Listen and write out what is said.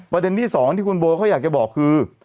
ประเด็นที่สองที่คุณโบเขาอยากจะบอกคือ